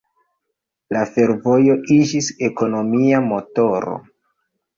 La fervojo iĝis ekonomia motoro.